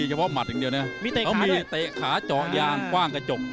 เขามีเตะขาเจาะยางกว้างกระจก